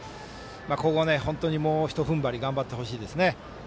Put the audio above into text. ここ、本当にもうひとふんばり頑張ってほしいですね。